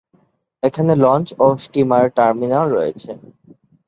এখানে লঞ্চ ও steamer terminal রয়েছে।